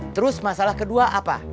terus masalah kedua apa